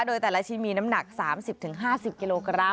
โดยแต่ละชิ้นมีน้ำหนัก๓๐๕๐กิโลกรัม